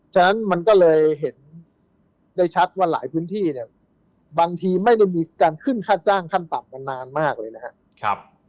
ฉะนั้นมันก็เลยเห็นได้ชัดว่าหลายพื้นที่เนี่ยบางทีไม่ได้มีการขึ้นค่าจ้างขั้นต่ำมานานมากเลยนะครับ